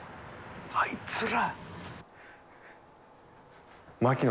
あいつら。